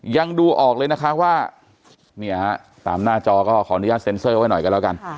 ยังดูออกเลยนะคะว่าเนี่ยฮะตามหน้าจอก็ขออนุญาตเซ็นเซอร์ไว้หน่อยกันแล้วกัน